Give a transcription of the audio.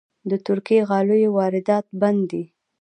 د ترکي غالیو واردات بند دي؟